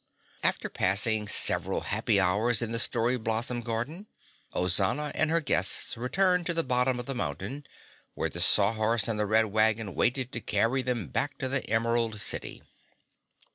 After passing several happy hours in the Story Blossom Garden, Ozana and her guests returned to the bottom of the mountain, where the Sawhorse and the Red Wagon waited to carry them back to the Emerald City.